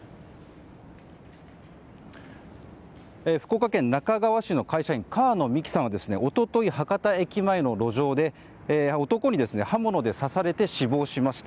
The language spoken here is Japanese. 福岡県那珂川市の会社員川野美樹さんは一昨日博多駅前の路上で男に刃物で刺されて死亡しました。